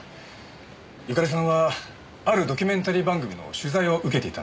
由香利さんはあるドキュメンタリー番組の取材を受けていたんです。